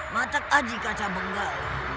matak aji kaca benggala